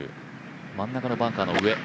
真ん中のバンカーの上。